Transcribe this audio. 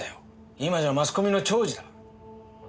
今じゃマスコミの寵児だ。